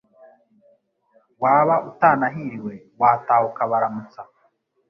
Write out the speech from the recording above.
waba utanahiriwe wataha ukabaramutsa